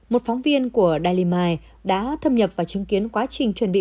một phóng viên của dalimai đã thâm nhập và chứng kiến quá trình chuẩn bị